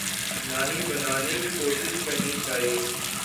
نہ ہی بنانے کی کوشش کرنی چاہیے۔